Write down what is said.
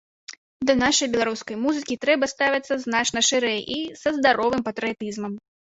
Да нашай беларускай музыкі трэба ставіцца значна шырэй і са здаровым патрыятызмам.